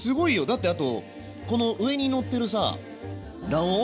だってあとこの上にのってるさあ卵黄。